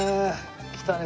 来たね。